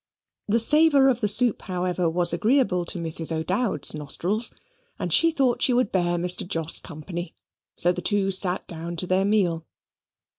The savour of the soup, however, was agreeable to Mrs. O'Dowd's nostrils: and she thought she would bear Mr. Jos company. So the two sate down to their meal.